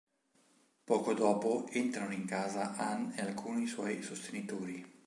Poco dopo entrano in casa Anne e alcuni suoi sostenitori.